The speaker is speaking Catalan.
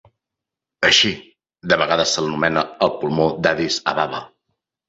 Així, de vegades se l'anomena "el pulmó d'Addis Ababa".